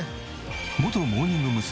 元モーニング娘。